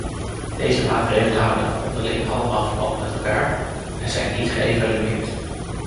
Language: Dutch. Deze maatregelen houden onderling allemaal verband met elkaar en zijn niet geëvalueerd.